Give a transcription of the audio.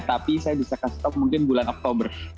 tapi saya bisa kasih stop mungkin bulan oktober